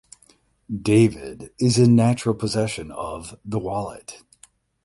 David is in natural possession of the wallet.